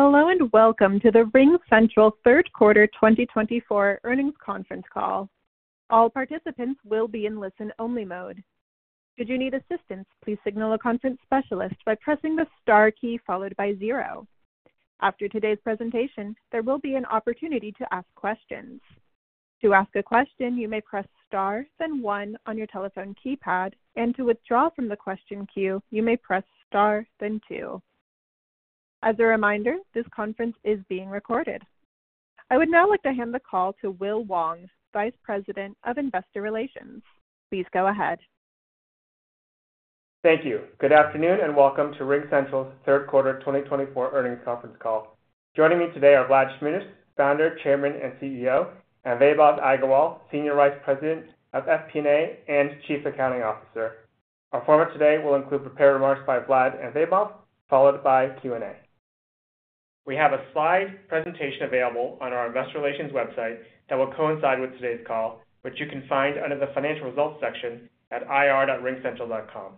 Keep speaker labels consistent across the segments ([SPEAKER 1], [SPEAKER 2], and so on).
[SPEAKER 1] Hello and welcome to the RingCentral Third Quarter 2024 Earnings Conference Call. All participants will be in listen-only mode. Should you need assistance, please signal a conference specialist by pressing the star key followed by zero. After today's presentation, there will be an opportunity to ask questions. To ask a question, you may press star, then one on your telephone keypad, and to withdraw from the question queue, you may press star, then two. As a reminder, this conference is being recorded. I would now like to hand the call to Will Wong, Vice President of Investor Relations. Please go ahead.
[SPEAKER 2] Thank you. Good afternoon and welcome to RingCentral's Third Quarter 2024 Earnings Conference Call. Joining me today are Vlad Shmunis, Founder, Chairman, and CEO, and Vaibhav Agarwal, Senior Vice President of FP&A and Chief Accounting Officer. Our format today will include prepared remarks by Vlad and Vaibhav, followed by Q&A. We have a slide presentation available on our Investor Relations website that will coincide with today's call, which you can find under the Financial Results section at ir.ringcentral.com.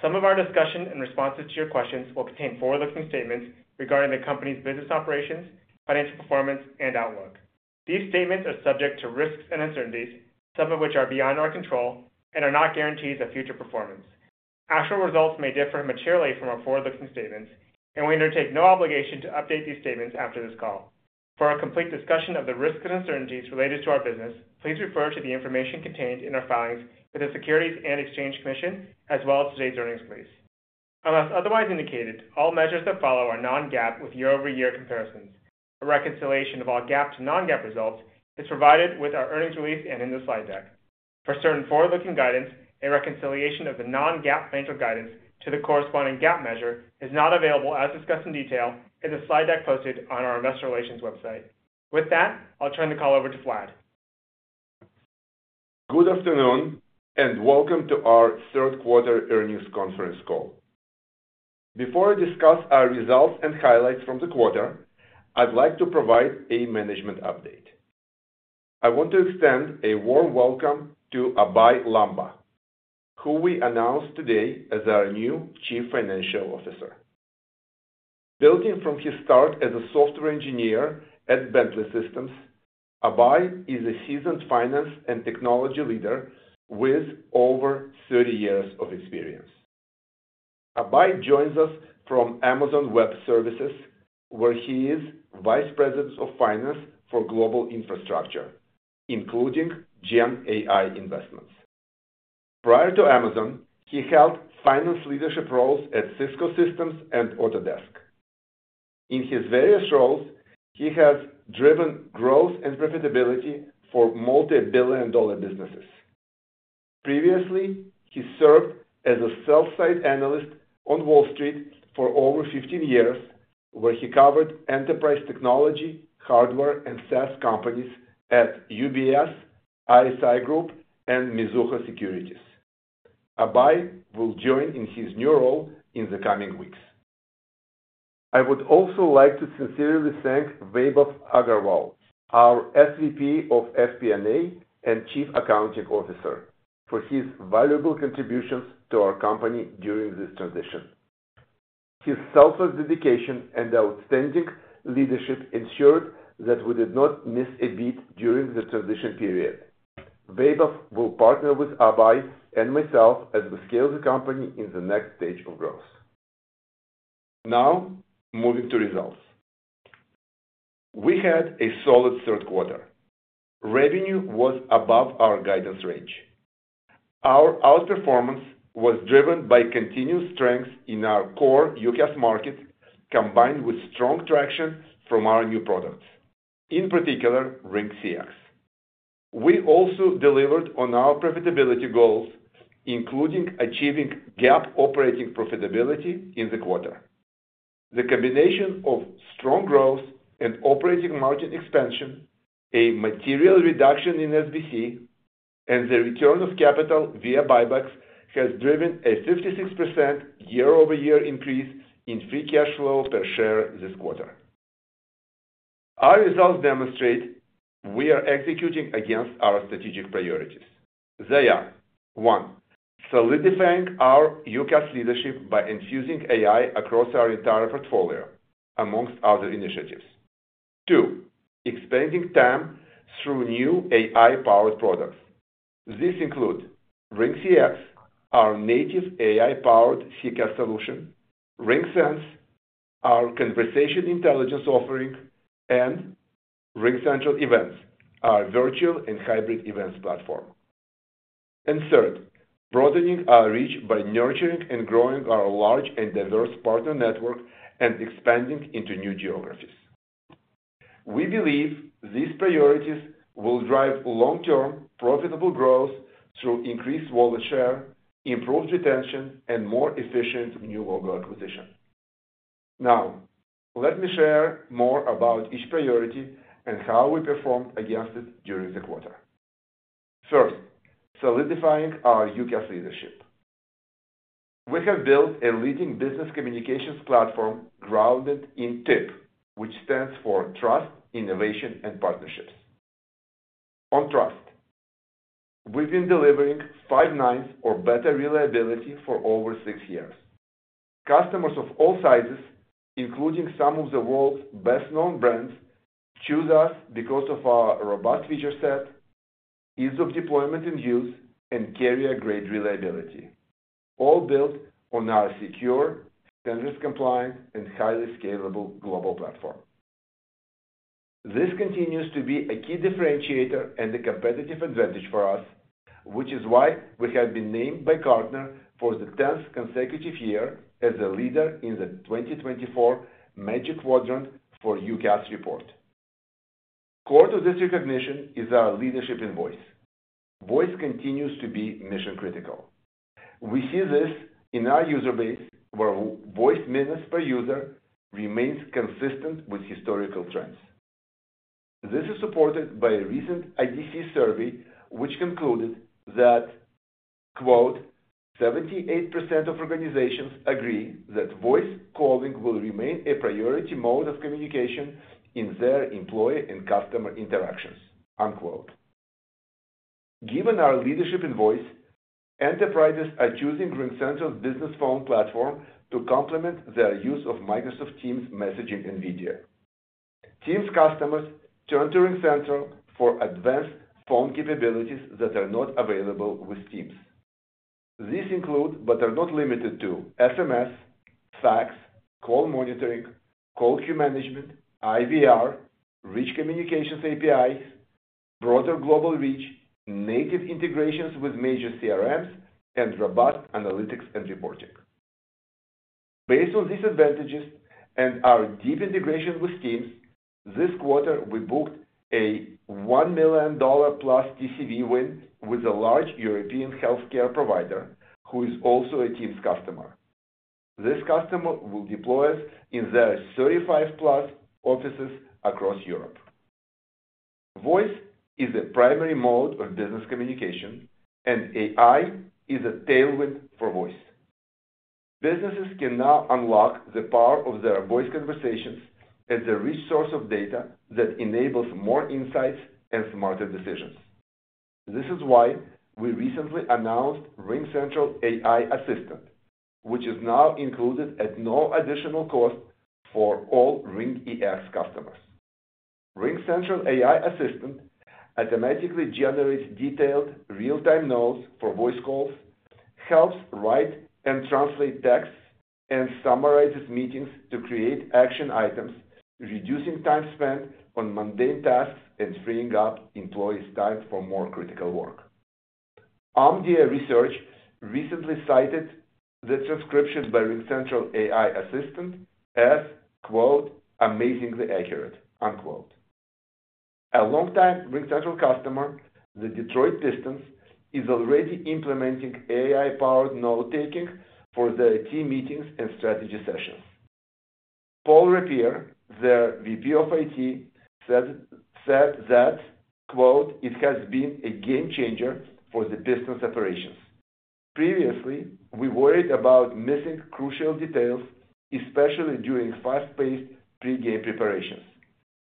[SPEAKER 2] Some of our discussion and responses to your questions will contain forward-looking statements regarding the company's business operations, financial performance, and outlook. These statements are subject to risks and uncertainties, some of which are beyond our control and are not guarantees of future performance. Actual results may differ materially from our forward-looking statements, and we undertake no obligation to update these statements after this call. For a complete discussion of the risks and uncertainties related to our business, please refer to the information contained in our filings with the Securities and Exchange Commission as well as today's earnings release. Unless otherwise indicated, all measures that follow are non-GAAP with year-over-year comparisons. A reconciliation of all GAAP to non-GAAP results is provided with our earnings release and in the slide deck. For certain forward-looking guidance, a reconciliation of the non-GAAP financial guidance to the corresponding GAAP measure is not available as discussed in detail in the slide deck posted on our Investor Relations website. With that, I'll turn the call over to Vlad.
[SPEAKER 3] Good afternoon and welcome to our third quarter earnings conference call. Before I discuss our results and highlights from the quarter, I'd like to provide a management update. I want to extend a warm welcome to Abhay Lamba, who we announced today as our new Chief Financial Officer. Building from his start as a software engineer at Bentley Systems, Abhay is a seasoned finance and technology leader with over 30 years of experience. Abhay joins us from Amazon Web Services, where he is Vice President of Finance for Global Infrastructure, including GenAI Investments. Prior to Amazon, he held finance leadership roles at Cisco Systems and Autodesk. In his various roles, he has driven growth and profitability for multi-billion dollar businesses. Previously, he served as a sell-side analyst on Wall Street for over 15 years, where he covered enterprise technology, hardware, and SaaS companies at UBS, ISI Group, and Mizuho Securities. Abhay will join in his new role in the coming weeks. I would also like to sincerely thank Vaibhav Agarwal, our SVP of FP&A and Chief Accounting Officer, for his valuable contributions to our company during this transition. His selfless dedication and outstanding leadership ensured that we did not miss a beat during the transition period. Vaibhav will partner with Abhay and myself as we scale the company in the next stage of growth. Now, moving to results. We had a solid third quarter. Revenue was above our guidance range. Our outperformance was driven by continued strength in our core UCaaS market, combined with strong traction from our new products, in particular, RingCX. We also delivered on our profitability goals, including achieving GAAP operating profitability in the quarter. The combination of strong growth and operating margin expansion, a material reduction in SBC, and the return of capital via buybacks has driven a 56% year-over-year increase in free cash flow per share this quarter. Our results demonstrate we are executing against our strategic priorities. They are: one, solidifying our UCaaS leadership by infusing AI across our entire portfolio, among other initiatives. Two, expanding TAM through new AI-powered products. These include RingCX, our native AI-powered CCaaS solution. RingSense, our conversation intelligence offering, and RingCentral Events, our virtual and hybrid events platform, and third, broadening our reach by nurturing and growing our large and diverse partner network and expanding into new geographies. We believe these priorities will drive long-term profitable growth through increased wallet share, improved retention, and more efficient new logo acquisition. Now, let me share more about each priority and how we performed against it during the quarter. First, solidifying our UCaaS leadership. We have built a leading business communications platform grounded in TIP, which stands for Trust, Innovation, and Partnerships. On trust, we've been delivering five nines or better reliability for over six years. Customers of all sizes, including some of the world's best-known brands, choose us because of our robust feature set, ease of deployment and use, and carrier-grade reliability, all built on our secure, standards-compliant, and highly scalable global platform. This continues to be a key differentiator and a competitive advantage for us, which is why we have been named by Gartner for the 10th consecutive year as a leader in the 2024 Magic Quadrant for UCaaS report. Core to this recognition is our leadership in voice. Voice continues to be mission-critical. We see this in our user base, where voice minutes per user remains consistent with historical trends. This is supported by a recent IDC survey, which concluded that, quote, "78% of organizations agree that voice calling will remain a priority mode of communication in their employee and customer interactions." Given our leadership in voice, enterprises are choosing RingCentral's business phone platform to complement their use of Microsoft Teams messaging and video. Teams customers turn to RingCentral for advanced phone capabilities that are not available with Teams. These include, but are not limited to, SMS, fax, call monitoring, call queue management, IVR, rich communications APIs, broader global reach, native integrations with major CRMs, and robust analytics and reporting. Based on these advantages and our deep integration with Teams, this quarter we booked a $1 million plus TCV win with a large European healthcare provider, who is also a Teams customer. This customer will deploy us in their 35+ offices across Europe. Voice is a primary mode of business communication, and AI is a tailwind for voice. Businesses can now unlock the power of their voice conversations as a rich source of data that enables more insights and smarter decisions. This is why we recently announced RingCentral AI Assistant, which is now included at no additional cost for all RingEX customers. RingCentral AI Assistant automatically generates detailed real-time notes for voice calls, helps write and translate texts, and summarizes meetings to create action items, reducing time spent on mundane tasks and freeing up employees' time for more critical work. Aragon Research recently cited the transcription by RingCentral AI Assistant as, quote, "amazingly accurate." A longtime RingCentral customer, the Detroit Pistons, is already implementing AI-powered note-taking for their team meetings and strategy sessions. Paul Rapier, their VP of IT, said that, quote, "it has been a game changer for the Pistons' operations. Previously, we worried about missing crucial details, especially during fast-paced pre-game preparations.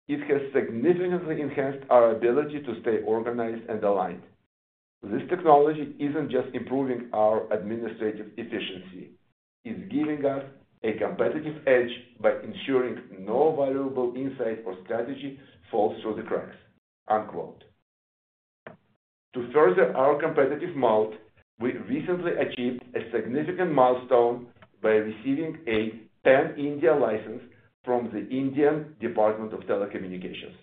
[SPEAKER 3] It has significantly enhanced our ability to stay organized and aligned. This technology isn't just improving our administrative efficiency. It's giving us a competitive edge by ensuring no valuable insight or strategy falls through the cracks. To further our competitive moat, we recently achieved a significant milestone by receiving a Pan-India license from the Indian Department of Telecommunications.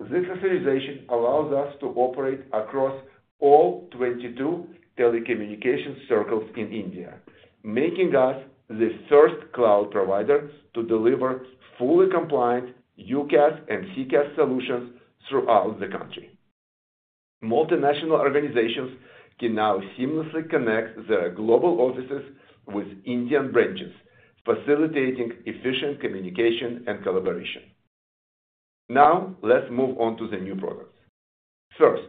[SPEAKER 3] This authorization allows us to operate across all 22 telecommunication circles in India, making us the first cloud provider to deliver fully compliant UCaaS and CCaaS solutions throughout the country. Multinational organizations can now seamlessly connect their global offices with Indian branches, facilitating efficient communication and collaboration. Now, let's move on to the new products. First,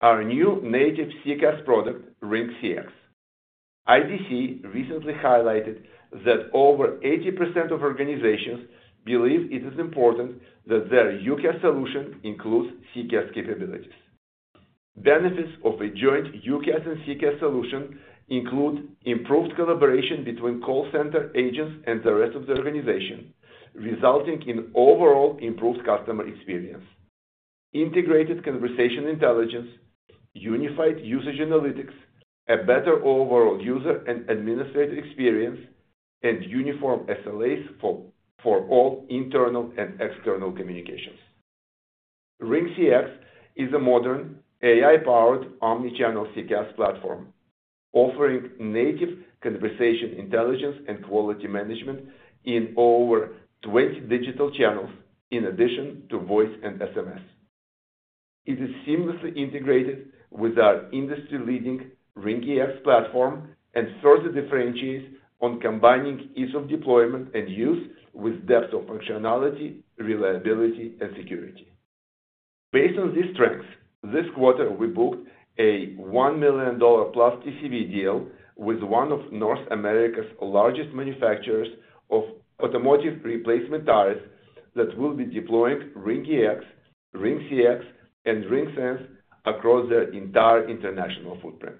[SPEAKER 3] our new native CCaaS product, RingCX. IDC recently highlighted that over 80% of organizations believe it is important that their UCaaS solution includes CCaaS capabilities. Benefits of a joint UCaaS and CCaaS solution include improved collaboration between call center agents and the rest of the organization, resulting in overall improved customer experience, integrated conversation intelligence, unified usage analytics, a better overall user and administrator experience, and uniform SLAs for all internal and external communications. RingCX is a modern, AI-powered omnichannel CCaaS platform, offering native conversation intelligence and quality management in over 20 digital channels in addition to voice and SMS. It is seamlessly integrated with our industry-leading RingEX platform and further differentiates on combining ease of deployment and use with depth of functionality, reliability, and security. Based on these strengths, this quarter we booked a $1 million plus TCV deal with one of North America's largest manufacturers of automotive replacement tires that will be deploying RingEX, RingCX, and RingSense across their entire international footprint.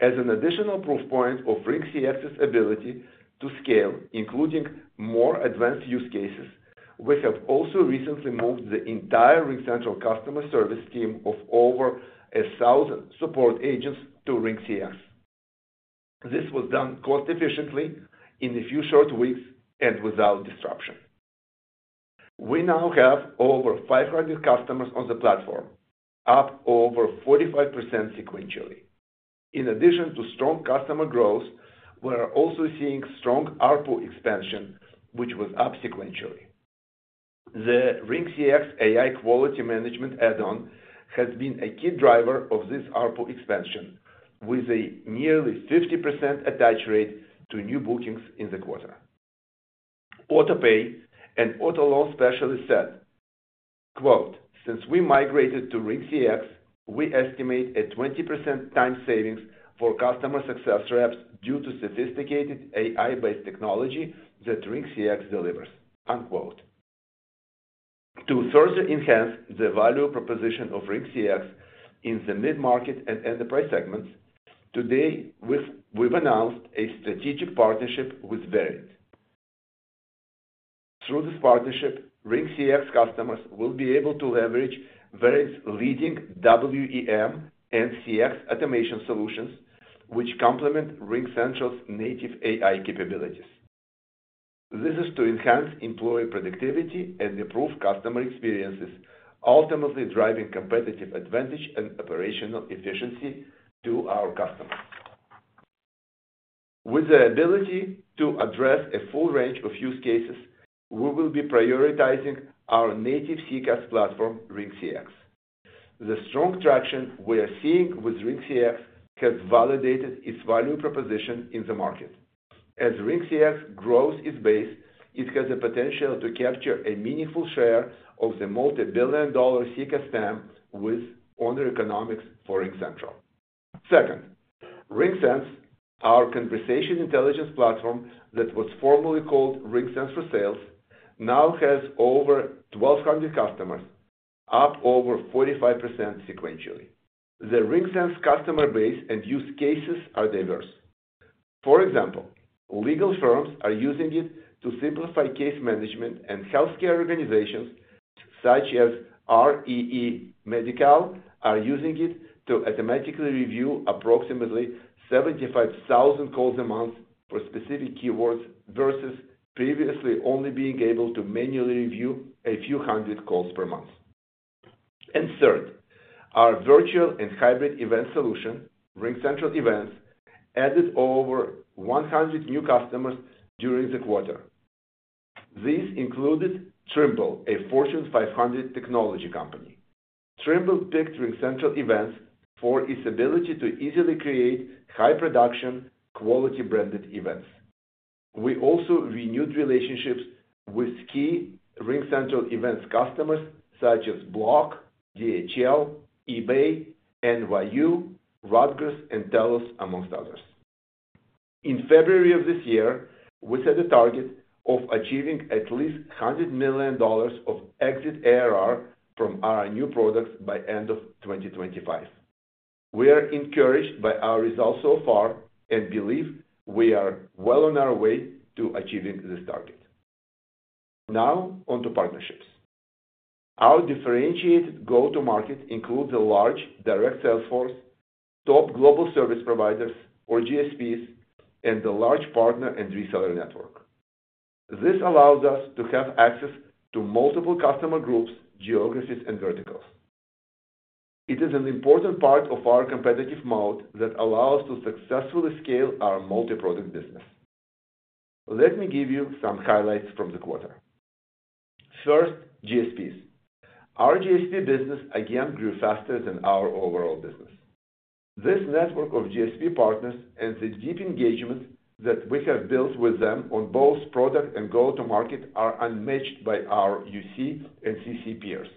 [SPEAKER 3] As an additional proof point of RingCX's ability to scale, including more advanced use cases, we have also recently moved the entire RingCentral customer service team of over 1,000 support agents to RingCX. This was done cost-efficiently in a few short weeks and without disruption. We now have over 500 customers on the platform, up over 45% sequentially. In addition to strong customer growth, we are also seeing strong ARPU expansion, which was up sequentially. The RingCX AI Quality Management add-on has been a key driver of this ARPU expansion, with a nearly 50% attach rate to new bookings in the quarter. Autopay and autoloan specialist said, quote, "Since we migrated to RingCX, we estimate a 20% time savings for customer success reps due to sophisticated AI-based technology that RingCX delivers." To further enhance the value proposition of RingCX in the mid-market and enterprise segments, today we've announced a strategic partnership with Verint. Through this partnership, RingCX customers will be able to leverage Verint's leading WEM and CX automation solutions, which complement RingCentral's native AI capabilities. This is to enhance employee productivity and improve customer experiences, ultimately driving competitive advantage and operational efficiency to our customers. With the ability to address a full range of use cases, we will be prioritizing our native CCaaS platform, RingCX. The strong traction we are seeing with RingCX has validated its value proposition in the market. As RingCX grows its base, it has the potential to capture a meaningful share of the multi-billion dollar CCaaS TAM within the economics for RingCentral. Second, RingSense, our conversation intelligence platform that was formerly called RingSense for Sales, now has over 1,200 customers, up over 45% sequentially. The RingSense customer base and use cases are diverse. For example, legal firms are using it to simplify case management, and healthcare organizations such as REE Medical are using it to automatically review approximately 75,000 calls a month for specific keywords versus previously only being able to manually review a few hundred calls per month. And third, our virtual and hybrid event solution, RingCentral Events, added over 100 new customers during the quarter. These included Trimble, a Fortune 500 technology company. Trimble picked RingCentral Events for its ability to easily create high-production, quality-branded events. We also renewed relationships with key RingCentral Events customers such as Block, DHL, eBay, NYU, Rutgers, and TELUS, among others. In February of this year, we set a target of achieving at least $100 million of exit ARR from our new products by the end of 2025. We are encouraged by our results so far and believe we are well on our way to achieving this target. Now, on to partnerships. Our differentiated go-to-market includes a large direct sales force, top global service providers, or GSPs, and a large partner and reseller network. This allows us to have access to multiple customer groups, geographies, and verticals. It is an important part of our competitive moat that allows us to successfully scale our multi-product business. Let me give you some highlights from the quarter. First, GSPs. Our GSP business again grew faster than our overall business. This network of GSP partners and the deep engagement that we have built with them on both product and go-to-market are unmatched by our UC and CC peers.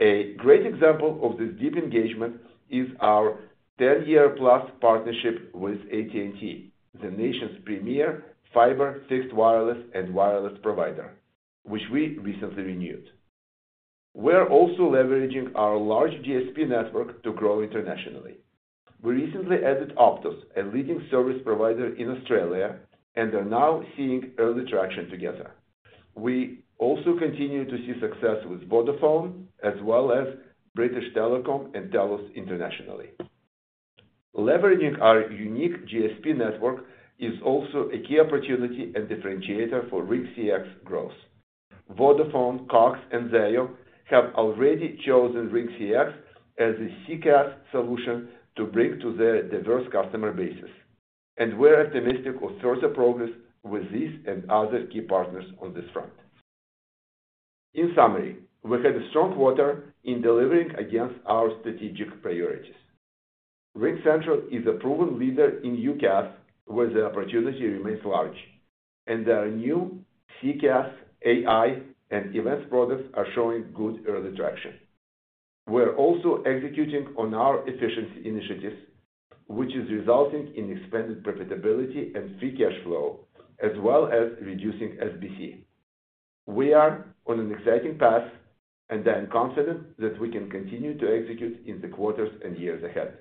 [SPEAKER 3] A great example of this deep engagement is our 10-year-plus partnership with AT&T, the nation's premier fiber fixed wireless and wireless provider, which we recently renewed. We are also leveraging our large GSP network to grow internationally. We recently added Optus, a leading service provider in Australia, and are now seeing early traction together. We also continue to see success with Vodafone, as well as British Telecom and TELUS internationally. Leveraging our unique GSP network is also a key opportunity and differentiator for RingCX growth. Vodafone, Cox, and Zayo have already chosen RingCX as a CCaaS solution to bring to their diverse customer bases, and we are optimistic of further progress with these and other key partners on this front. In summary, we had a strong quarter in delivering against our strategic priorities. RingCentral is a proven leader in UCaaS where the opportunity remains large, and our new CCaaS, AI, and events products are showing good early traction. We are also executing on our efficiency initiatives, which is resulting in expanded profitability and free cash flow, as well as reducing SBC. We are on an exciting path and I am confident that we can continue to execute in the quarters and years ahead.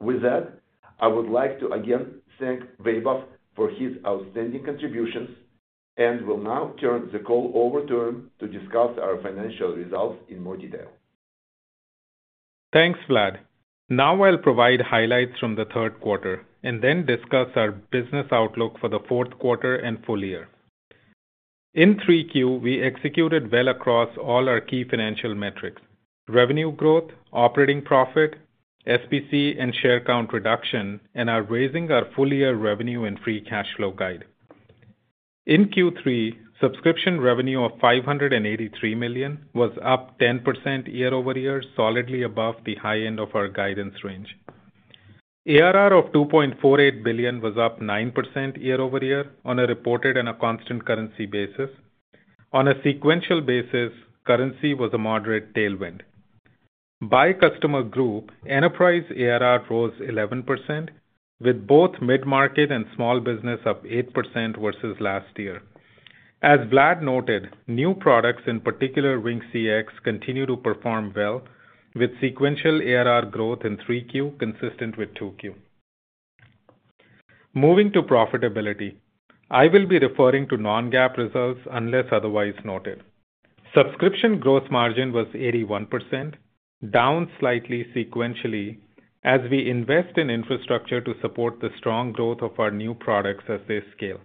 [SPEAKER 3] With that, I would like to again thank Vaibhav for his outstanding contributions and will now turn the call over to him to discuss our financial results in more detail.
[SPEAKER 4] Thanks, Vlad. Now I'll provide highlights from the third quarter and then discuss our business outlook for the fourth quarter and full year. In 3Q, we executed well across all our key financial metrics: revenue growth, operating profit, SBC and share count reduction, and are raising our full-year revenue and free cash flow guide. In Q3, subscription revenue of $583 million was up 10% year-over-year, solidly above the high end of our guidance range. ARR of $2.48 billion was up 9% year-over-year on a reported and a constant currency basis. On a sequential basis, currency was a moderate tailwind. By customer group, enterprise ARR rose 11%, with both mid-market and small business up 8% versus last year. As Vlad noted, new products, in particular RingCX, continue to perform well, with sequential ARR growth in 3Q consistent with 2Q. Moving to profitability, I will be referring to non-GAAP results unless otherwise noted. Subscription gross margin was 81%, down slightly sequentially as we invest in infrastructure to support the strong growth of our new products as they scale.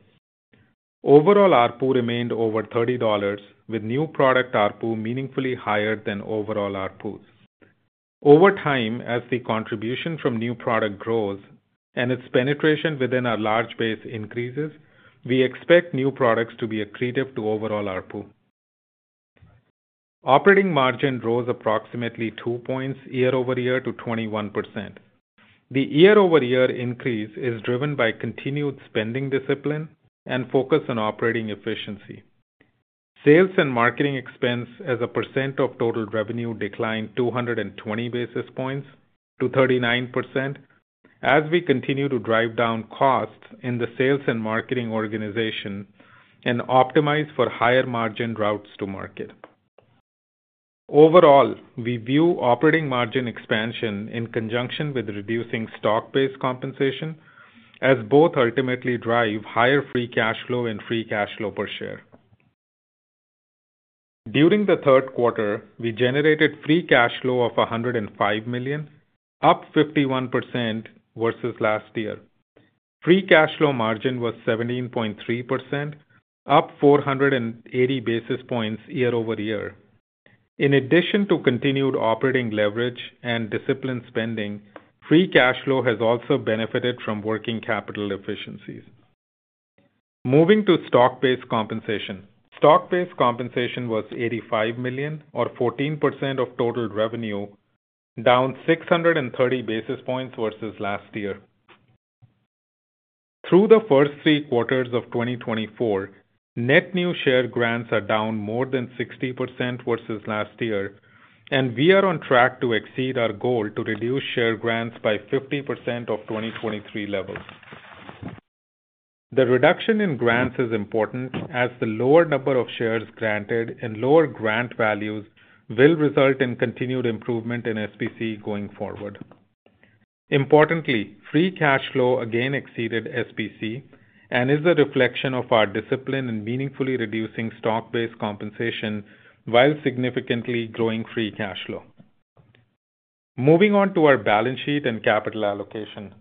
[SPEAKER 4] Overall ARPU remained over $30, with new product ARPU meaningfully higher than overall ARPUs. Over time, as the contribution from new product grows and its penetration within our large base increases, we expect new products to be accretive to overall ARPU. Operating margin rose approximately two points year-over-year to 21%. The year-over-year increase is driven by continued spending discipline and focus on operating efficiency. Sales and marketing expense as a percent of total revenue declined 220 basis points to 39% as we continue to drive down costs in the sales and marketing organization and optimize for higher margin routes to market. Overall, we view operating margin expansion in conjunction with reducing stock-based compensation, as both ultimately drive higher free cash flow and free cash flow per share. During the third quarter, we generated free cash flow of $105 million, up 51% versus last year. Free cash flow margin was 17.3%, up 480 basis points year-over-year. In addition to continued operating leverage and disciplined spending, free cash flow has also benefited from working capital efficiencies. Moving to stock-based compensation, stock-based compensation was $85 million, or 14% of total revenue, down 630 basis points versus last year. Through the first three quarters of 2024, net new share grants are down more than 60% versus last year, and we are on track to exceed our goal to reduce share grants by 50% of 2023 levels. The reduction in grants is important as the lower number of shares granted and lower grant values will result in continued improvement in SBC going forward. Importantly, free cash flow again exceeded SBC and is a reflection of our discipline in meaningfully reducing stock-based compensation while significantly growing free cash flow. Moving on to our balance sheet and capital allocation,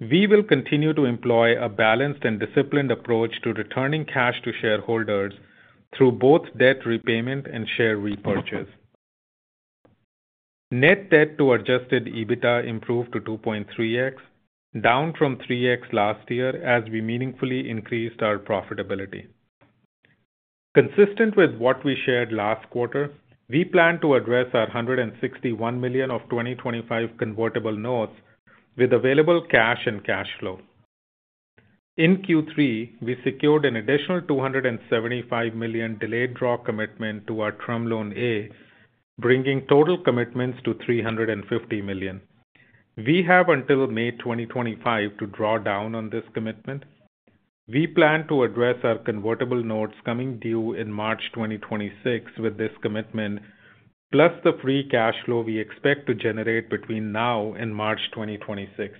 [SPEAKER 4] we will continue to employ a balanced and disciplined approach to returning cash to shareholders through both debt repayment and share repurchase. Net debt to Adjusted EBITDA improved to 2.3x, down from 3x last year as we meaningfully increased our profitability. Consistent with what we shared last quarter, we plan to address our $161 million of 2025 convertible notes with available cash and cash flow. In Q3, we secured an additional $275 million delayed draw commitment to our Term Loan A, bringing total commitments to $350 million. We have until May 2025 to draw down on this commitment. We plan to address our convertible notes coming due in March 2026 with this commitment, plus the free cash flow we expect to generate between now and March 2026.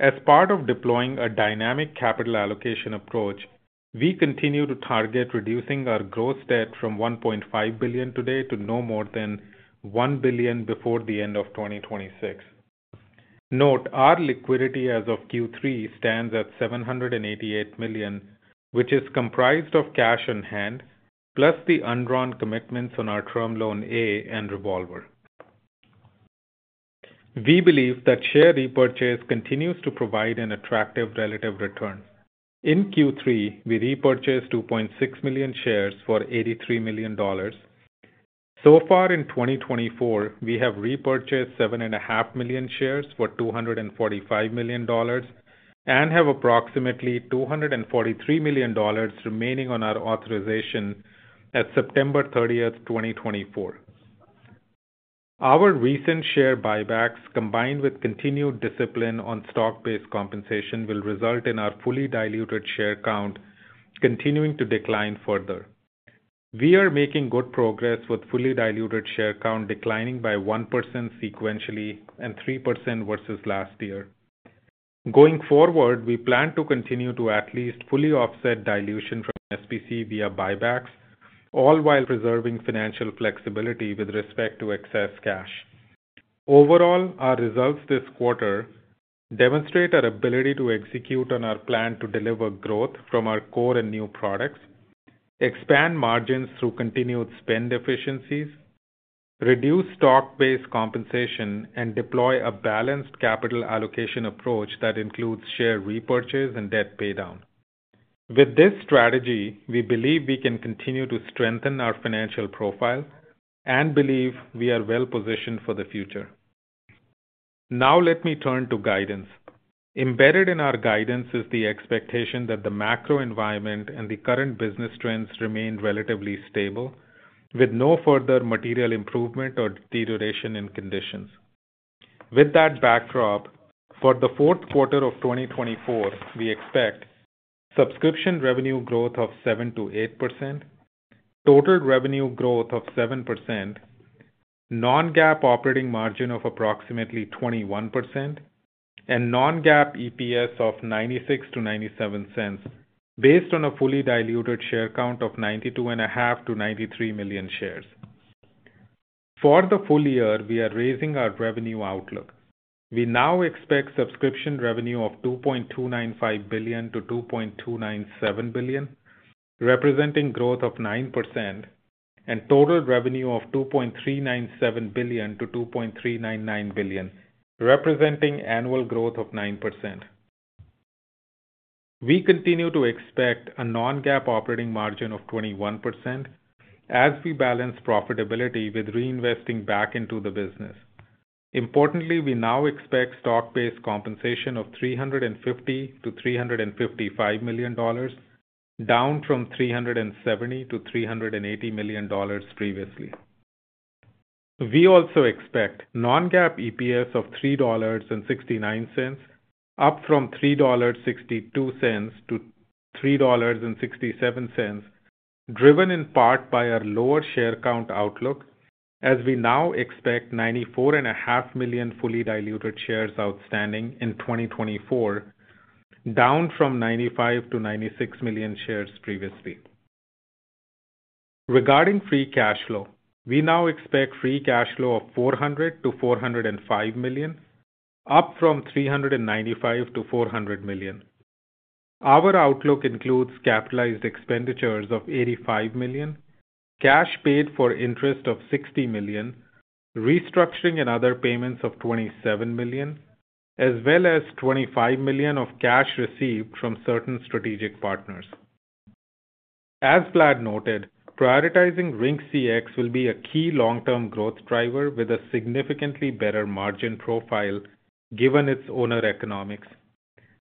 [SPEAKER 4] As part of deploying a dynamic capital allocation approach, we continue to target reducing our gross debt from $1.5 billion today to no more than $1 billion before the end of 2026. Note, our liquidity as of Q3 stands at $788 million, which is comprised of cash on hand plus the undrawn commitments on our Term Loan A and Revolver. We believe that share repurchase continues to provide an attractive relative return. In Q3, we repurchased 2.6 million shares for $83 million. So far in 2024, we have repurchased 7.5 million shares for $245 million and have approximately $243 million remaining on our authorization as of September 30, 2024. Our recent share buybacks, combined with continued discipline on stock-based compensation, will result in our fully diluted share count continuing to decline further. We are making good progress with fully diluted share count declining by 1% sequentially and 3% versus last year. Going forward, we plan to continue to at least fully offset dilution from SBC via buybacks, all while preserving financial flexibility with respect to excess cash. Overall, our results this quarter demonstrate our ability to execute on our plan to deliver growth from our core and new products, expand margins through continued spend efficiencies, reduce stock-based compensation, and deploy a balanced capital allocation approach that includes share repurchase and debt paydown. With this strategy, we believe we can continue to strengthen our financial profile and believe we are well positioned for the future. Now let me turn to guidance. Embedded in our guidance is the expectation that the macro environment and the current business trends remain relatively stable, with no further material improvement or deterioration in conditions. With that backdrop, for the fourth quarter of 2024, we expect subscription revenue growth of 7%-8%, total revenue growth of 7%, non-GAAP operating margin of approximately 21%, and non-GAAP EPS of $0.96-$0.97 based on a fully diluted share count of 92.5 million-93 million shares. For the full year, we are raising our revenue outlook. We now expect subscription revenue of $2.295 billion-$2.297 billion, representing growth of 9%, and total revenue of $2.397 billion-$2.399 billion, representing annual growth of 9%. We continue to expect a non-GAAP operating margin of 21% as we balance profitability with reinvesting back into the business. Importantly, we now expect stock-based compensation of $350 million-$355 million, down from $370-$380 million previously. We also expect non-GAAP EPS of $3.69, up from $3.62-$3.67, driven in part by our lower share count outlook, as we now expect 94.5 million fully diluted shares outstanding in 2024, down from 95 million-96 million shares previously. Regarding free cash flow, we now expect free cash flow of $400 million-$405 million, up from $395 million-$400 million. Our outlook includes capital expenditures of $85 million, cash paid for interest of $60 million, restructuring and other payments of $27 million, as well as $25 million of cash received from certain strategic partners. As Vlad noted, prioritizing RingCX will be a key long-term growth driver with a significantly better margin profile given its owner economics.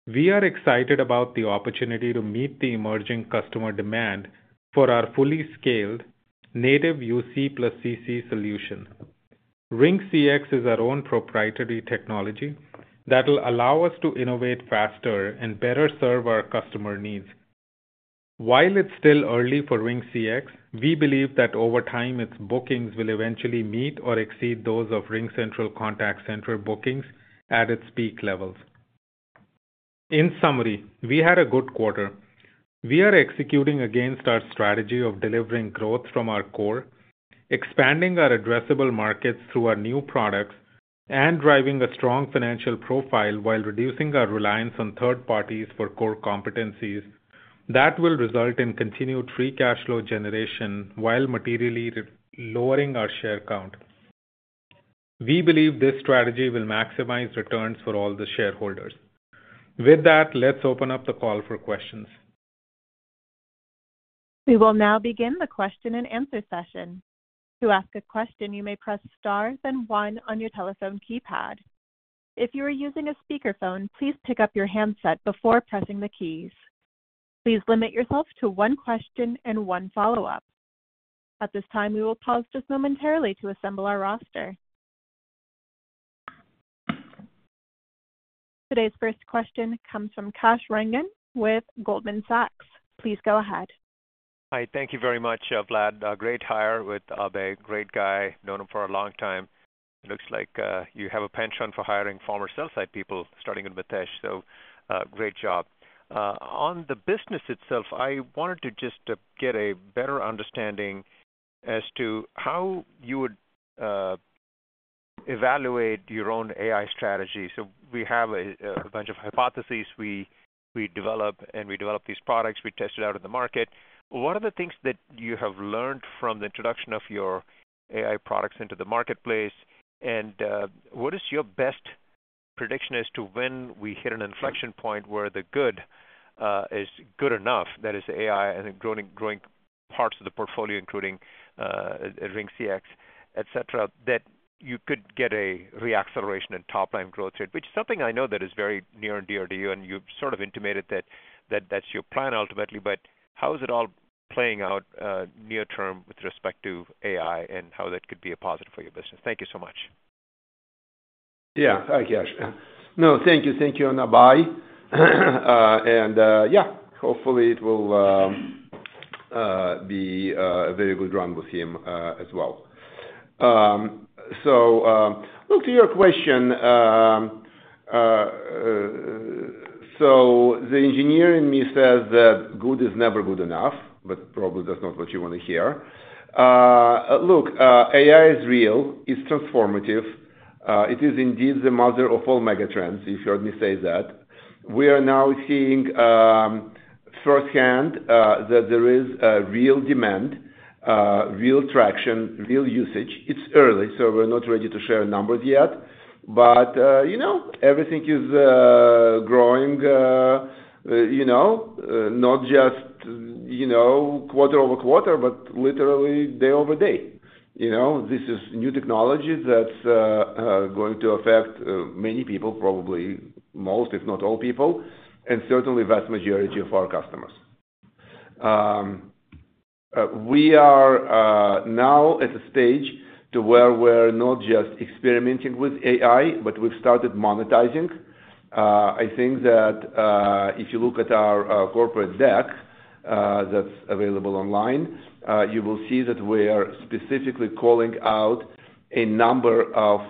[SPEAKER 4] We are excited about the opportunity to meet the emerging customer demand for our fully scaled native UC plus CC solution. RingCX is our own proprietary technology that will allow us to innovate faster and better serve our customer needs. While it's still early for RingCX, we believe that over time its bookings will eventually meet or exceed those of RingCentral Contact Center bookings at its peak levels. In summary, we had a good quarter. We are executing against our strategy of delivering growth from our core, expanding our addressable markets through our new products, and driving a strong financial profile while reducing our reliance on third parties for core competencies that will result in continued free cash flow generation while materially lowering our share count. We believe this strategy will maximize returns for all the shareholders. With that, let's open up the call for questions.
[SPEAKER 1] We will now begin the question and answer session. To ask a question, you may press star and one on your telephone keypad. If you are using a speakerphone, please pick up your handset before pressing the keys. Please limit yourself to one question and one follow-up. At this time, we will pause just momentarily to assemble our roster. Today's first question comes from Kash Rangan with Goldman Sachs. Please go ahead.
[SPEAKER 5] Hi, thank you very much, Vlad. Great hire with Abhay, great guy, known him for a long time. It looks like you have a penchant for hiring former sell-side people, starting with Mitesh. So great job. On the business itself, I wanted to just get a better understanding as to how you would evaluate your own AI strategy. So we have a bunch of hypotheses we develop, and we develop these products. We test it out in the market. What are the things that you have learned from the introduction of your AI products into the marketplace? And what is your best prediction as to when we hit an inflection point where the good is good enough, that is AI and growing parts of the portfolio, including RingCX, etc., that you could get a reacceleration in top-line growth rate, which is something I know that is very near and dear to you, and you've sort of intimated that that's your plan ultimately. But how is it all playing out near-term with respect to AI and how that could be a positive for your business? Thank you so much.
[SPEAKER 3] Yeah, hi Kash. No, thank you. Thank you, Abhay. And yeah, hopefully it will be a very good run with him as well. So look to your question. So the engineer in me says that good is never good enough, but probably that's not what you want to hear. Look, AI is real. It's transformative. It is indeed the mother of all megatrends, if you heard me say that. We are now seeing firsthand that there is real demand, real traction, real usage. It's early, so we're not ready to share numbers yet. But everything is growing, not just quarter over quarter, but literally day over day. This is new technology that's going to affect many people, probably most, if not all people, and certainly the vast majority of our customers. We are now at a stage to where we're not just experimenting with AI, but we've started monetizing. I think that if you look at our corporate deck that's available online, you will see that we are specifically calling out a number of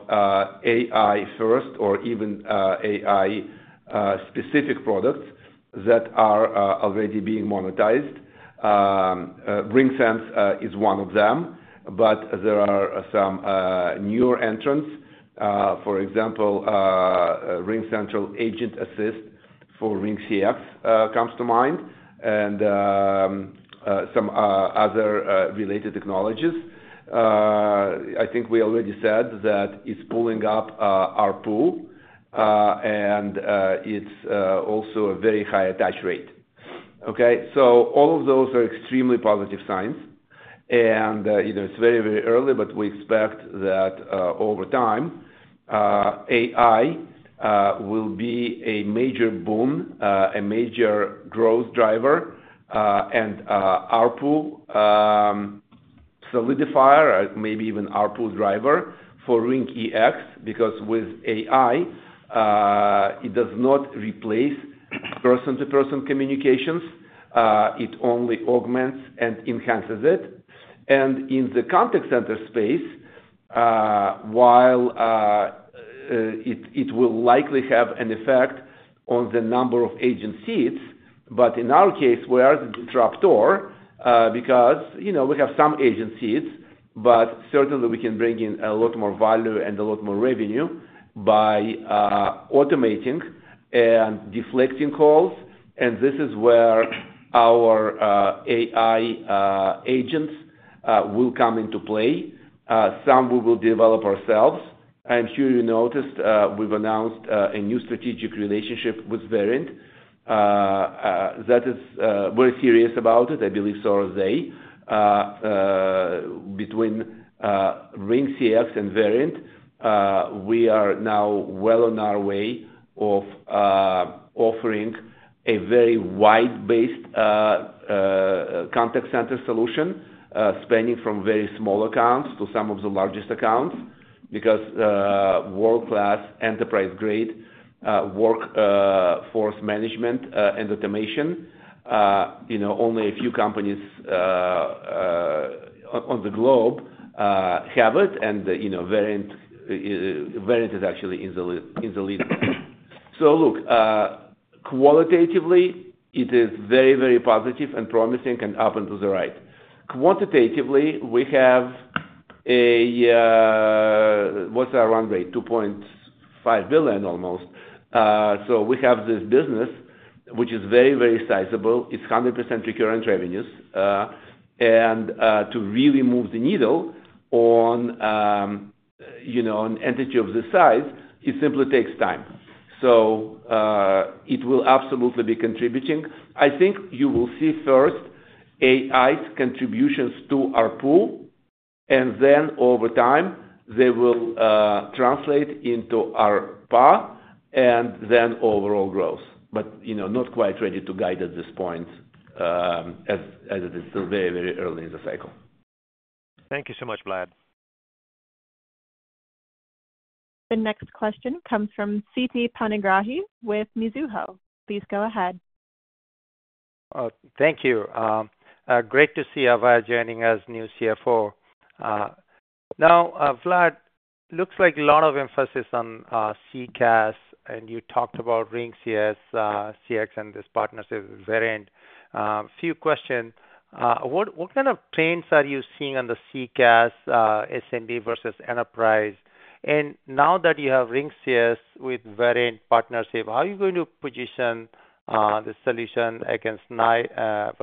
[SPEAKER 3] AI-first or even AI-specific products that are already being monetized. RingSense is one of them, but there are some newer entrants. For example, RingCentral Agent Assist for RingCX comes to mind, and some other related technologies. I think we already said that it's pulling up our ARPU, and it's also a very high attach rate. Okay, so all of those are extremely positive signs. And it's very, very early, but we expect that over time, AI will be a major boon, a major growth driver, and our ARPU solidifier, maybe even our ARPU driver for RingCX, because with AI, it does not replace person-to-person communications. It only augments and enhances it. In the contact center space, while it will likely have an effect on the number of agent seats, but in our case, we are the disruptor because we have some agent seats, but certainly we can bring in a lot more value and a lot more revenue by automating and deflecting calls. This is where our AI agents will come into play. Some we will develop ourselves. I'm sure you noticed we've announced a new strategic relationship with Verint. That is very serious about it, I believe so are they. Between RingCX and Verint, we are now well on our way of offering a very wide-based contact center solution, spanning from very small accounts to some of the largest accounts because world-class enterprise-grade workforce management and automation, only a few companies on the globe have it, and Verint is actually in the lead. So look, qualitatively, it is very, very positive and promising and up and to the right. Quantitatively, we have a—what's our run rate? $2.5 billion almost. So we have this business, which is very, very sizable. It's 100% recurring revenues. And to really move the needle on an entity of this size, it simply takes time. So it will absolutely be contributing. I think you will see first AI's contributions to our P&L, and then over time, they will translate into our ARPU and then overall growth. But not quite ready to guide at this point as it is still very, very early in the cycle.
[SPEAKER 5] Thank you so much, Vlad.
[SPEAKER 1] The next question comes from Siti Panigrahi with Mizuho. Please go ahead.
[SPEAKER 6] Thank you. Great to see Abhay joining as new CFO. Now, Vlad, looks like a lot of emphasis on CCaaS, and you talked about RingCX and this partnership with Verint. Few questions. What kind of trends are you seeing on the CCaaS, SMB versus enterprise? And now that you have RingCX with Verint partnership, how are you going to position the solution against NICE? How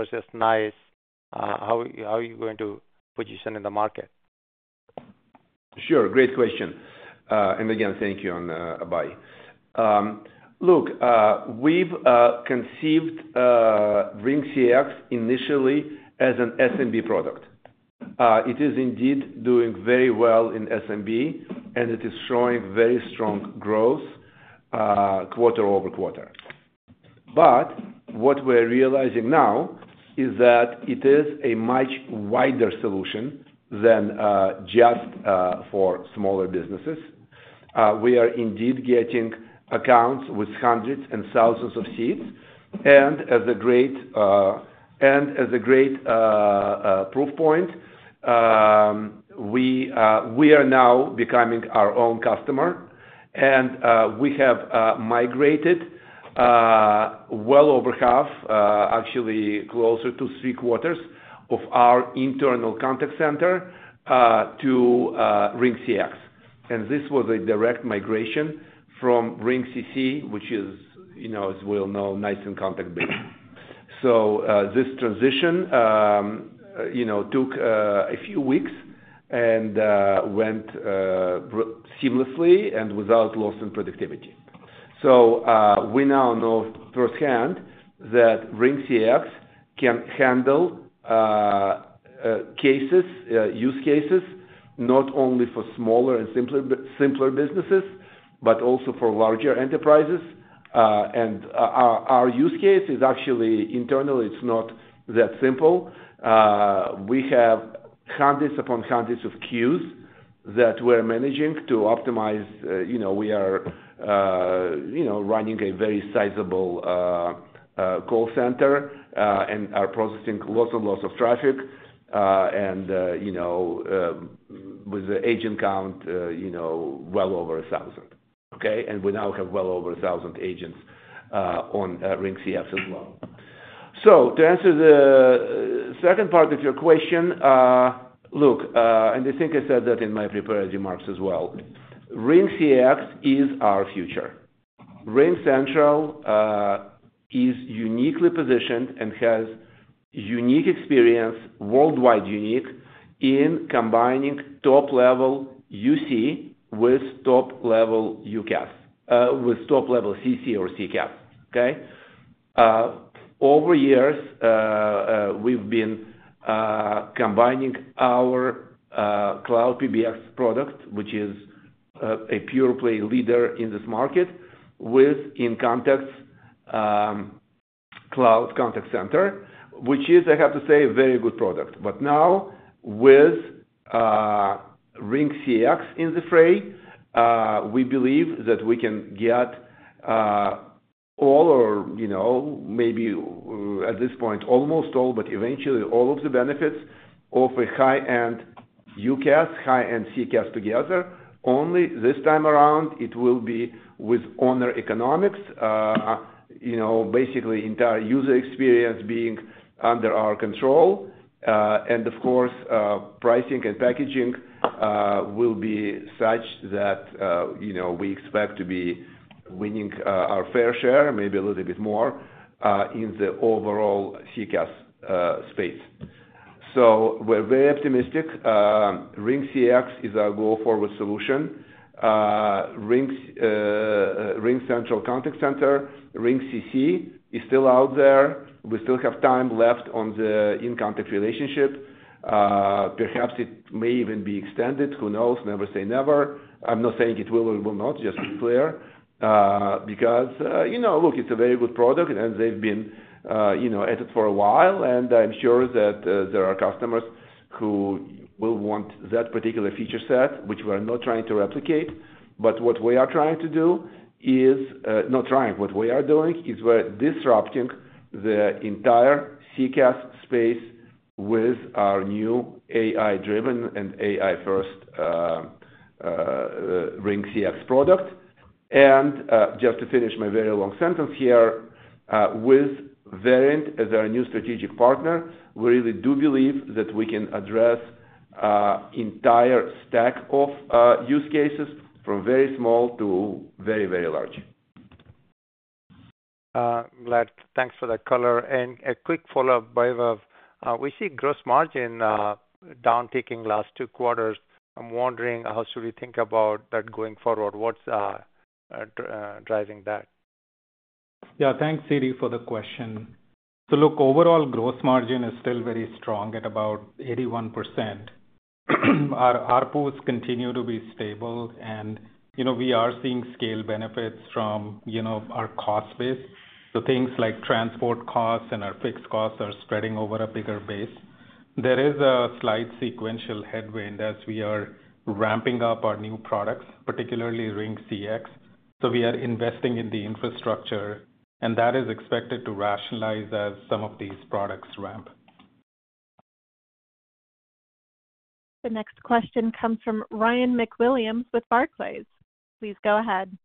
[SPEAKER 6] are you going to position in the market?
[SPEAKER 3] Sure. Great question. And again, thank you, Abhay. Look, we've conceived RingCX initially as an SMB product. It is indeed doing very well in SMB, and it is showing very strong growth quarter over quarter. But what we're realizing now is that it is a much wider solution than just for smaller businesses. We are indeed getting accounts with hundreds and thousands of seats. And as a great proof point, we are now becoming our own customer. We have migrated well over half, actually closer to three quarters, of our internal contact center to RingCX. This was a direct migration from RingCC, which is, as we all know, NICE inContact-based. This transition took a few weeks and went seamlessly and without loss in productivity. We now know firsthand that RingCX can handle use cases not only for smaller and simpler businesses, but also for larger enterprises. Our use case is actually internal. It's not that simple. We have hundreds upon hundreds of queues that we're managing to optimize. We are running a very sizable call center and are processing lots and lots of traffic. With the agent count, well over 1,000. Okay? We now have well over 1,000 agents on RingCX as well. So to answer the second part of your question, look, and I think I said that in my prepared remarks as well. RingCX is our future. RingCentral is uniquely positioned and has unique experience, worldwide unique, in combining top-level UC with top-level CC or CCaaS. Okay? Over years, we've been combining our Cloud PBX product, which is a pure-play leader in this market, with inContact Cloud Contact Center, which is, I have to say, a very good product. But now, with RingCX in the fray, we believe that we can get all, or maybe at this point, almost all, but eventually all of the benefits of a high-end UCaaS, high-end CCaaS together. Only this time around, it will be with our own economics, basically entire user experience being under our control. And of course, pricing and packaging will be such that we expect to be winning our fair share, maybe a little bit more in the overall CCaaS space. So we're very optimistic. RingCX is our go-forward solution. RingCentral Contact Center, RingCC is still out there. We still have time left on the inContact relationship. Perhaps it may even be extended. Who knows? Never say never. I'm not saying it will or will not, just be clear. Because look, it's a very good product, and they've been at it for a while. And I'm sure that there are customers who will want that particular feature set, which we are not trying to replicate. But what we are trying to do is not trying. What we are doing is we're disrupting the entire CCaaS space with our new AI-driven and AI-first RingCX product. Just to finish my very long sentence here, with Verint, as our new strategic partner, we really do believe that we can address the entire stack of use cases from very small to very, very large.
[SPEAKER 6] Vlad, thanks for that color. A quick follow-up, by way of, we see gross margin downticking last two quarters. I'm wondering, how should we think about that going forward? What's driving that?
[SPEAKER 4] Yeah, thanks, Siti, for the question. Look, overall gross margin is still very strong at about 81%. Our pools continue to be stable, and we are seeing scale benefits from our cost base. Things like transport costs and our fixed costs are spreading over a bigger base. There is a slight sequential headwind as we are ramping up our new products, particularly RingCX. We are investing in the infrastructure, and that is expected to rationalize as some of these products ramp.
[SPEAKER 1] The next question comes from Ryan McWilliams with Barclays. Please go ahead.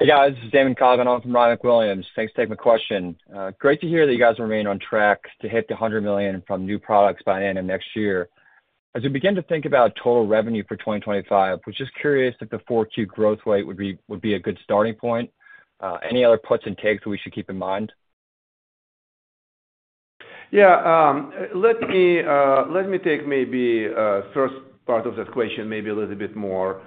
[SPEAKER 7] Yeah, this is David Young. I'm from Ryan McWilliams. Thanks for taking my question. Great to hear that you guys remain on track to hit the $100 million from new products by the end of next year. As we begin to think about total revenue for 2025, we're just curious if the 40% growth rate would be a good starting point. Any other puts and takes that we should keep in mind?
[SPEAKER 3] Yeah. Let me take maybe the first part of this question maybe a little bit more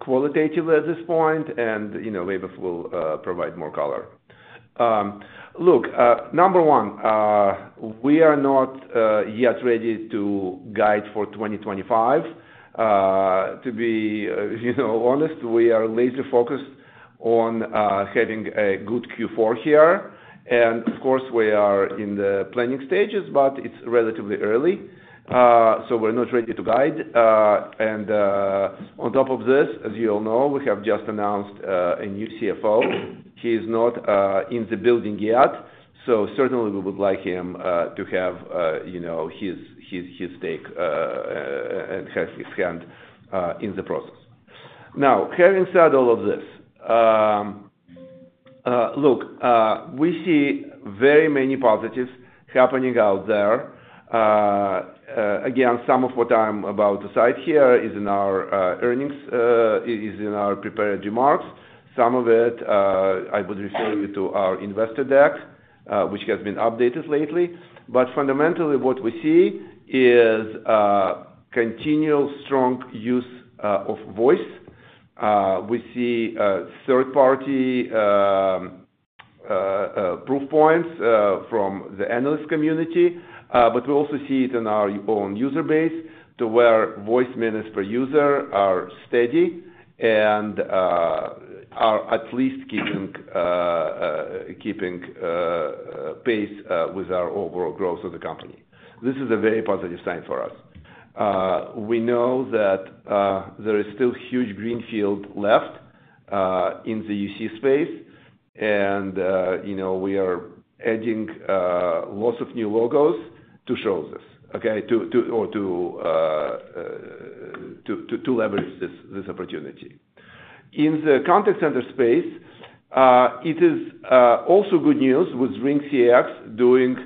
[SPEAKER 3] qualitatively at this point, and maybe we'll provide more color. Look, number one, we are not yet ready to guide for 2025. To be honest, we are laser-focused on having a good Q4 here. Of course, we are in the planning stages, but it's relatively early. We're not ready to guide. On top of this, as you all know, we have just announced a new CFO. He is not in the building yet. Certainly, we would like him to have his stake and have his hand in the process. Now, having said all of this, look, we see very many positives happening out there. Again, some of what I'm about to cite here is in our earnings, is in our prepared remarks. Some of it, I would refer you to our investor deck, which has been updated lately. Fundamentally, what we see is continual strong use of voice. We see third-party proof points from the analyst community. But we also see it in our own user base to where voice minutes per user are steady and are at least keeping pace with our overall growth of the company. This is a very positive sign for us. We know that there is still huge greenfield left in the UC space. And we are adding lots of new logos to show this, okay, or to leverage this opportunity. In the contact center space, it is also good news with RingCX doing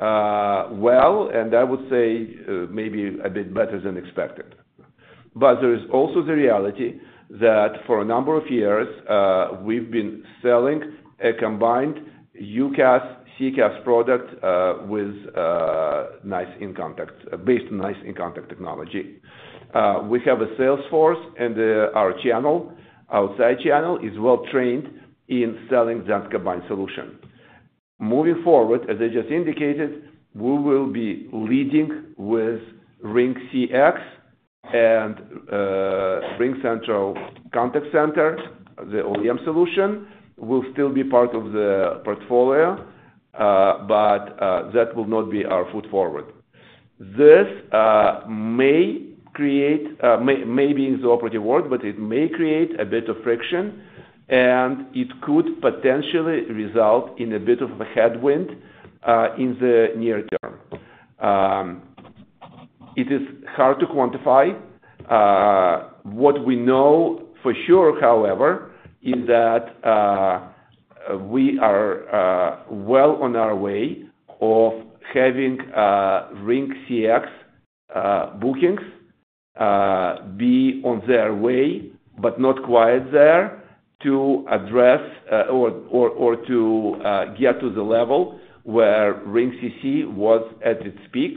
[SPEAKER 3] well, and I would say maybe a bit better than expected. But there is also the reality that for a number of years, we've been selling a combined UCaaS, CCaaS product with NICE inContact, based on NICE inContact technology. We have a sales force, and our channel, outside channel, is well-trained in selling that combined solution. Moving forward, as I just indicated, we will be leading with RingCX and RingCentral Contact Center. The OEM solution will still be part of the portfolio, but that will not be our foot forward. This may create, maybe in the operative world, but it may create a bit of friction, and it could potentially result in a bit of a headwind in the near term. It is hard to quantify. What we know for sure, however, is that we are well on our way of having RingCX bookings be on their way, but not quite there to address or to get to the level where RingCC was at its peak.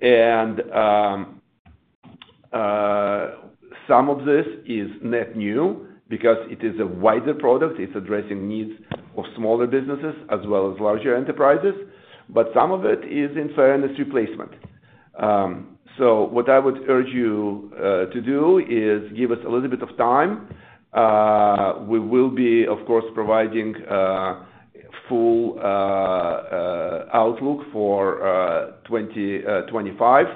[SPEAKER 3] And some of this is net new because it is a wider product. It's addressing needs of smaller businesses as well as larger enterprises. But some of it is in fairness replacement. So what I would urge you to do is give us a little bit of time. We will be, of course, providing full outlook for 2025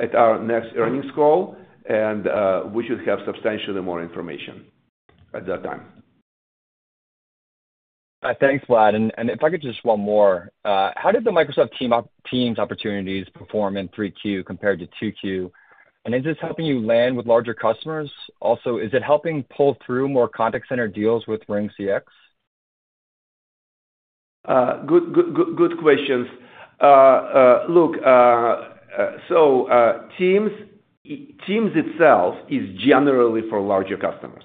[SPEAKER 3] at our next earnings call, and we should have substantially more information at that time.
[SPEAKER 7] Thanks, Vlad. And if I could just one more, how did the Microsoft Teams opportunities perform in 3Q compared to 2Q? And is this helping you land with larger customers? Also, is it helping pull through more contact center deals with RingCX?
[SPEAKER 3] Good questions. Look, so Teams itself is generally for larger customers.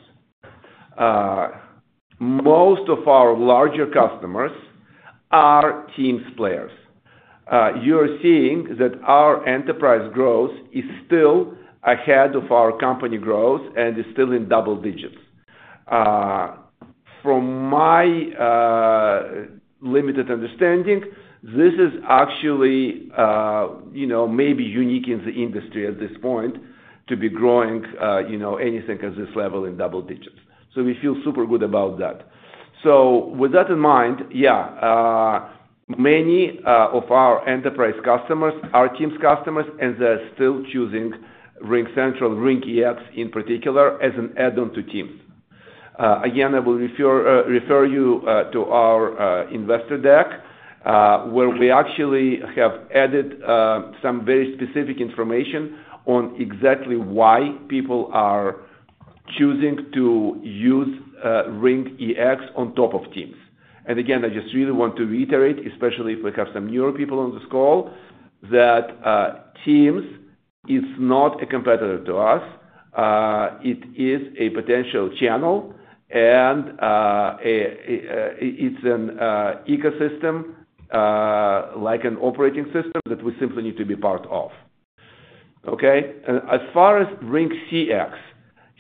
[SPEAKER 3] Most of our larger customers are Teams players. You're seeing that our enterprise growth is still ahead of our company growth and is still in double digits. From my limited understanding, this is actually maybe unique in the industry at this point to be growing anything at this level in double digits. So we feel super good about that. So with that in mind, yeah, many of our enterprise customers are Teams customers, and they're still choosing RingCentral, RingCX in particular, as an add-on to Teams. Again, I will refer you to our investor deck, where we actually have added some very specific information on exactly why people are choosing to use RingCX on top of Teams. And again, I just really want to reiterate, especially if we have some newer people on this call, that Teams is not a competitor to us. It is a potential channel, and it's an ecosystem like an operating system that we simply need to be part of. Okay? As far as RingCX,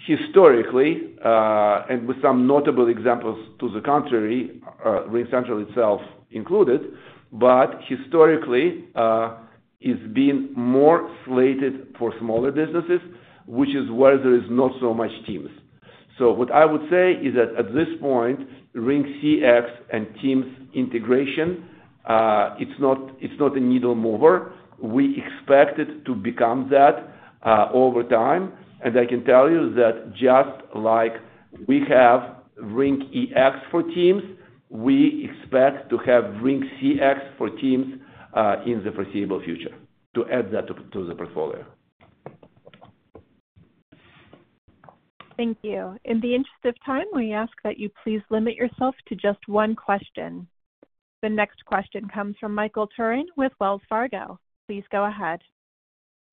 [SPEAKER 3] historically, and with some notable examples to the contrary, RingCentral itself included, but historically, it's been more slated for smaller businesses, which is where there is not so much Teams. So what I would say is that at this point, RingCX and Teams integration, it's not a needle mover. We expect it to become that over time. And I can tell you that just like we have RingCX for Teams, we expect to have RingCX for Teams in the foreseeable future to add that to the portfolio.
[SPEAKER 1] Thank you. In the interest of time, we ask that you please limit yourself to just one question. The next question comes from Michael Turrin with Wells Fargo. Please go ahead.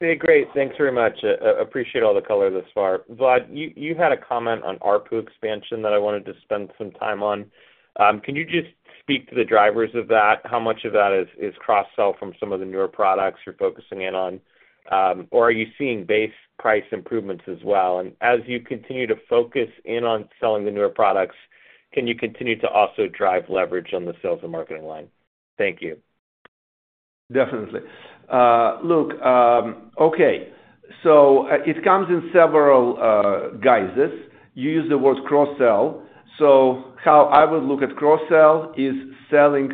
[SPEAKER 8] Hey, great. Thanks very much. I appreciate all the color thus far. Vlad, you had a comment on ARPU expansion that I wanted to spend some time on. Can you just speak to the drivers of that? How much of that is cross-sell from some of the newer products you're focusing in on? Or are you seeing base price improvements as well? And as you continue to focus in on selling the newer products, can you continue to also drive leverage on the sales and marketing line? Thank you.
[SPEAKER 3] Definitely. Look, okay. So it comes in several guises. You use the word cross-sell. So how I would look at cross-sell is selling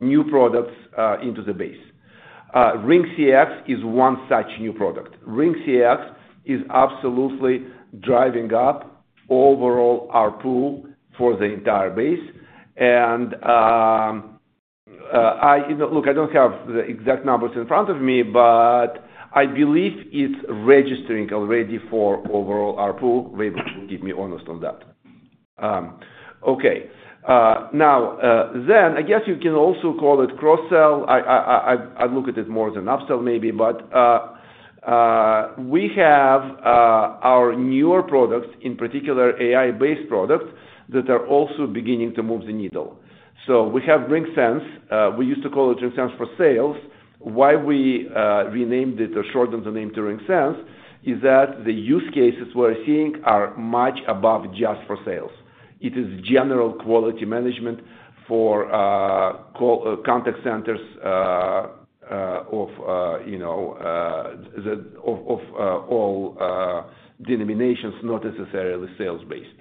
[SPEAKER 3] new products into the base. RingCX is one such new product. RingCX is absolutely driving up overall our pool for the entire base. And look, I don't have the exact numbers in front of me, but I believe it's registering already for overall our pool. Maybe you can give me honest on that. Okay. Now, then I guess you can also call it cross-sell. I look at it more as an upsell maybe, but we have our newer products, in particular, AI-based products that are also beginning to move the needle. So we have RingSense. We used to call it RingSense for sales. Why we renamed it or shortened the name to RingSense is that the use cases we're seeing are much above just for sales. It is general quality management for contact centers of all denominations, not necessarily sales-based.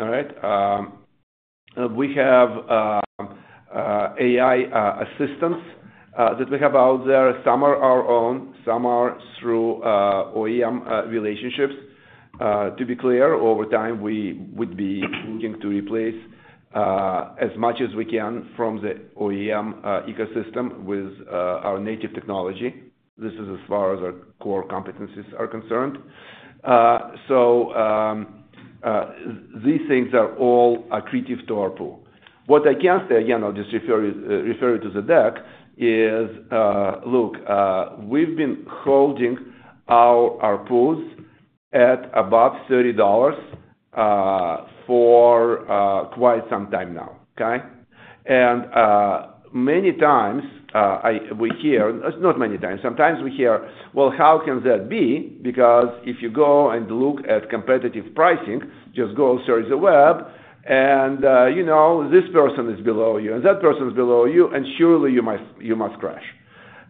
[SPEAKER 3] All right? We have AI assistants that we have out there. Some are our own. Some are through OEM relationships. To be clear, over time, we would be looking to replace as much as we can from the OEM ecosystem with our native technology. This is as far as our core competencies are concerned. So these things are all accretive to our ARPU. What I can say, again, I'll just refer you to the deck, is look, we've been holding our ARPU at above $30 for quite some time now, okay? Many times we hear, not many times, sometimes we hear, "Well, how can that be? Because if you go and look at competitive pricing, just go search the web, and this person is below you, and that person is below you, and surely you must crash."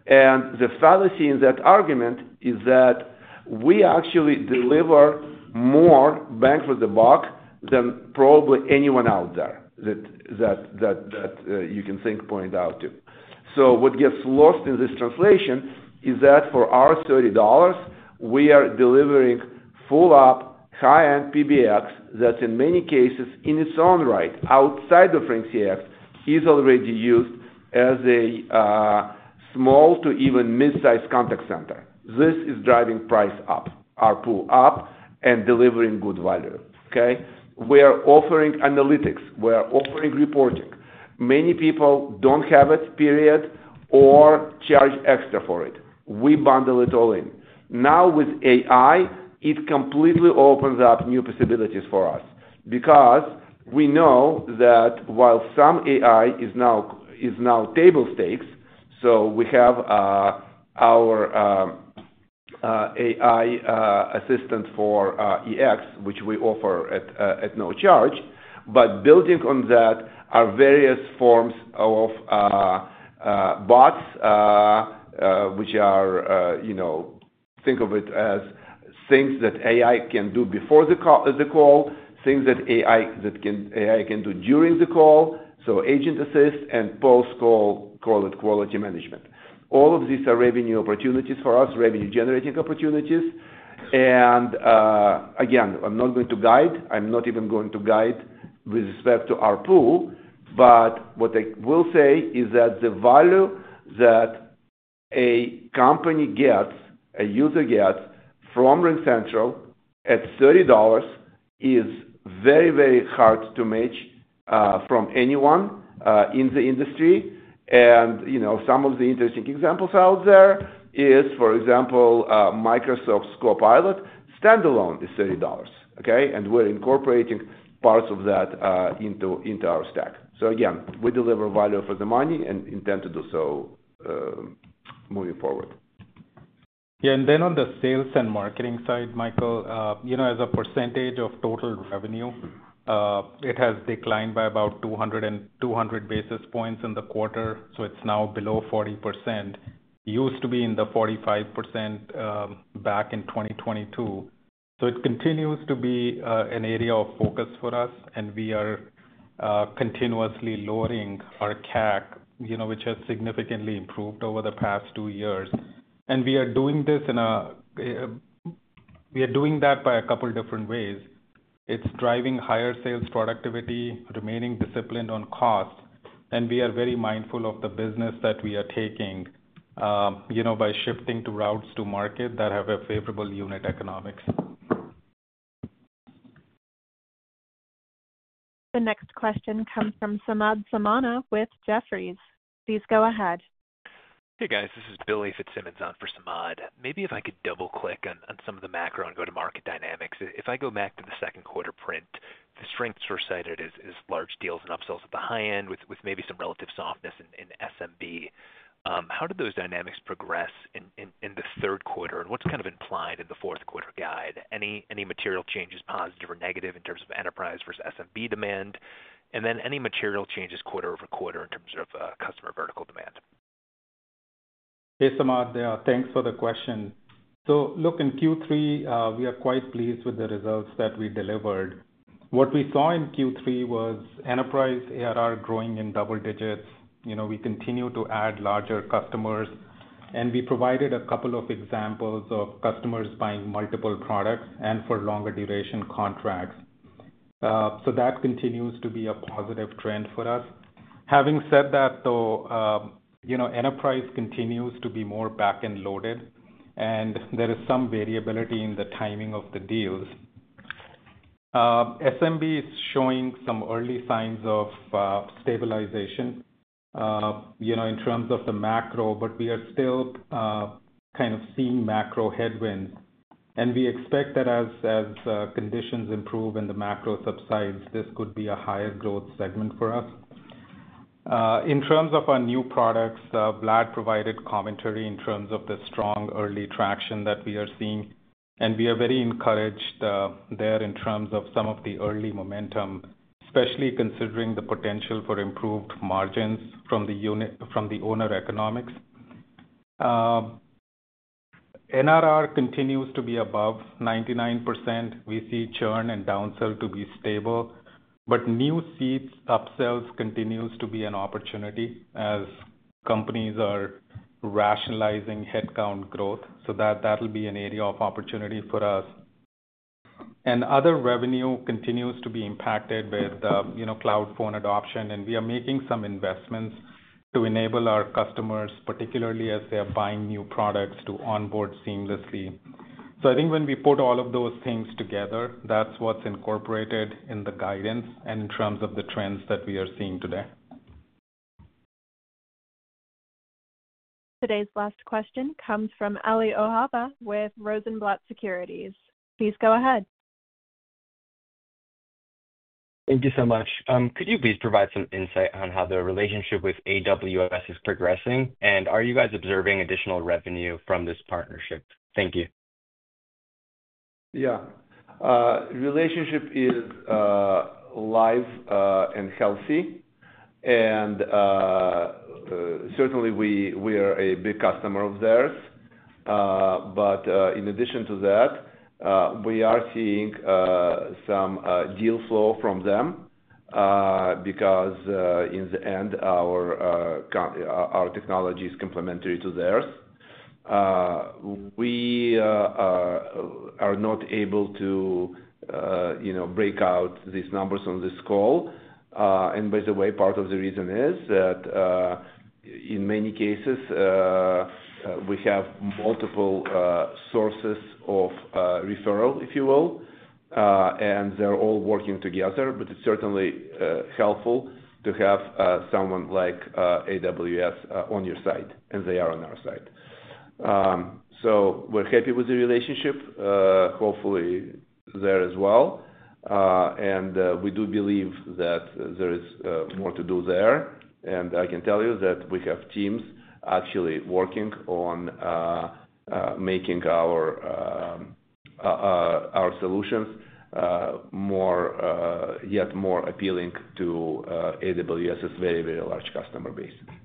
[SPEAKER 3] The fallacy in that argument is that we actually deliver more bang for the buck than probably anyone out there that you can think to point out to. What gets lost in this translation is that for our $30, we are delivering full-up high-end PBX that in many cases, in its own right, outside of RingCX, is already used as a small to even mid-size contact center. This is driving price up, our ARPU up, and delivering good value, okay? We are offering analytics. We are offering reporting. Many people don't have it, period, or charge extra for it. We bundle it all in. Now, with AI, it completely opens up new possibilities for us because we know that while some AI is now table stakes, so we have our AI assistant for EX, which we offer at no charge, but building on that are various forms of bots, which are think of it as things that AI can do before the call, things that AI can do during the call, so agent assist and post-call quality management. All of these are revenue opportunities for us, revenue-generating opportunities. And again, I'm not going to guide. I'm not even going to guide with respect to our pool. But what I will say is that the value that a company gets, a user gets from RingCentral at $30 is very, very hard to match from anyone in the industry. Some of the interesting examples out there is, for example, Microsoft's Copilot standalone is $30, okay? We're incorporating parts of that into our stack. So again, we deliver value for the money and intend to do so moving forward.
[SPEAKER 4] Yeah. And then on the sales and marketing side, Michael, as a percentage of total revenue, it has declined by about 200 basis points in the quarter, so it's now below 40%. It used to be in the 45% back in 2022. So it continues to be an area of focus for us, and we are continuously lowering our CAC, which has significantly improved over the past two years. And we are doing this by a couple of different ways. It's driving higher sales productivity, remaining disciplined on cost, and we are very mindful of the business that we are taking by shifting to routes to market that have a favorable unit economics.
[SPEAKER 1] The next question comes from Samad Samana with Jefferies. Please go ahead.
[SPEAKER 9] Hey, guys. This is Billy Fitzsimmons on for Samad. Maybe if I could double-click on some of the macro and go-to-market dynamics. If I go back to the second quarter print, the strengths were cited as large deals and upsells at the high end with maybe some relative softness in SMB. How did those dynamics progress in the third quarter? And what's kind of implied in the fourth quarter guide? Any material changes, positive or negative, in terms of enterprise versus SMB demand? And then any material changes quarter over quarter in terms of customer vertical demand?
[SPEAKER 4] Hey, Samad. Thanks for the question. Look, in Q3, we are quite pleased with the results that we delivered. What we saw in Q3 was enterprise ARR growing in double digits. We continue to add larger customers, and we provided a couple of examples of customers buying multiple products and for longer duration contracts. That continues to be a positive trend for us. Having said that, though, enterprise continues to be more back-end loaded, and there is some variability in the timing of the deals. SMB is showing some early signs of stabilization in terms of the macro, but we are still kind of seeing macro headwinds. We expect that as conditions improve and the macro subsides, this could be a higher growth segment for us. In terms of our new products, Vlad provided commentary in terms of the strong early traction that we are seeing, and we are very encouraged there in terms of some of the early momentum, especially considering the potential for improved margins from the our own economics. NRR continues to be above 99%. We see churn and downsell to be stable. But new seats upsells continues to be an opportunity as companies are rationalizing headcount growth. So that will be an area of opportunity for us. And other revenue continues to be impacted with cloud phone adoption, and we are making some investments to enable our customers, particularly as they are buying new products, to onboard seamlessly. So I think when we put all of those things together, that's what's incorporated in the guidance and in terms of the trends that we are seeing today.
[SPEAKER 1] Today's last question comes from Ali Ohaba with Rosenblatt Securities. Please go ahead.
[SPEAKER 10] Thank you so much. Could you please provide some insight on how the relationship with AWS is progressing, and are you guys observing additional revenue from this partnership? Thank you.
[SPEAKER 3] Yeah. Relationship is live and healthy, and certainly, we are a big customer of theirs. But in addition to that, we are seeing some deal flow from them because in the end, our technology is complementary to theirs. We are not able to break out these numbers on this call. And by the way, part of the reason is that in many cases, we have multiple sources of referral, if you will, and they're all working together. But it's certainly helpful to have someone like AWS on your side, and they are on our side. So we're happy with the relationship, hopefully there as well. We do believe that there is more to do there. I can tell you that we have teams actually working on making our solutions yet more appealing to AWS's very, very large customer base.